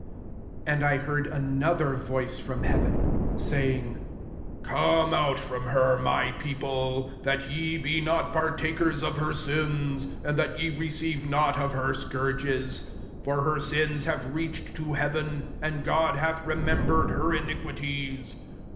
4 And I heard another voice from heaven, saying, " Come out from her, my people; that ye be not partakers of her sins, and that ye receive not of her scourges: 5 for her sins have reached to heaven; and God hath remembered her iniqui ties.